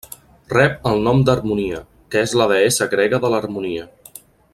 Rep el nom d'Harmonia, que és la deessa grega de l'harmonia.